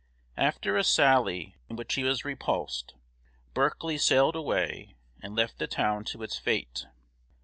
After a sally in which he was repulsed, Berkeley sailed away and left the town to its fate.